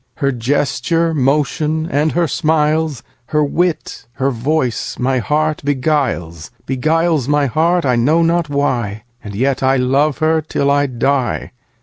Her gesture, motion, and her smiles, 5 Her wit, her voice my heart beguiles, Beguiles my heart, I know not why, And yet I love her till I die.